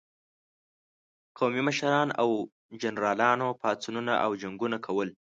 قومي مشرانو او جنرالانو پاڅونونه او جنګونه کول.